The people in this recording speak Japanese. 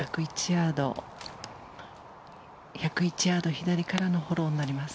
ピンまで１０１ヤード左からのフォローになります。